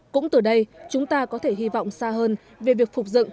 cũng từ đây chúng ta có thể hy vọng xa hơn về việc phục dựng